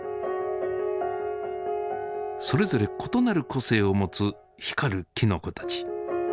それぞれ異なる個性を持つ光るきのこたち。